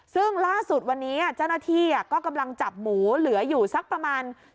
ซึ่งล่าสุดวันนี้เจ้าหน้าที่ก็กำลังจับหมูเหลืออยู่สักประมาณ